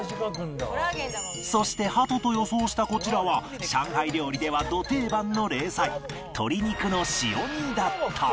そして鳩と予想したこちらは上海料理ではど定番の冷菜鶏肉の塩煮だった